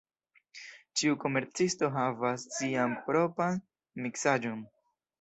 Ĉiu komercisto havas sian propran miksaĵon.